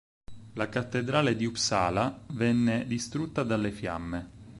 La cattedrale di Uppsala venne distrutta dalle fiamme.